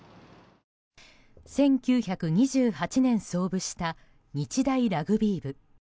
１９２８年創部した日大ラグビー部。